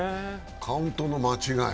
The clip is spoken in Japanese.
カウントの間違い？